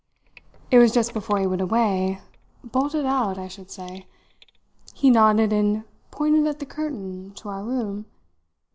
"It was just before he went away bolted out, I should say. He nodded and pointed at the curtain to our room.